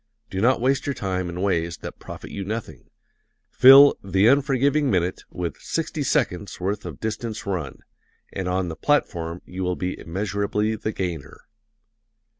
Do not waste your time in ways that profit you nothing. Fill "the unforgiving minute" with "sixty seconds' worth of distance run" and on the platform you will be immeasurably the gainer.